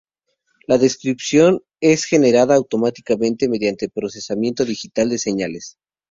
La descripción es generada automáticamente mediante procesamiento digital de señales.